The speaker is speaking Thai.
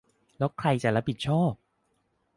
แล้วใครจะรับผิดชอบ ?